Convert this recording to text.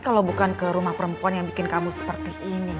kalau bukan ke rumah perempuan yang bikin kamu seperti ini